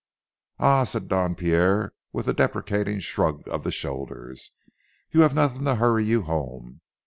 "Ah," said Don Pierre, with a deprecating shrug of the shoulders, "you have nothing to hurry you home.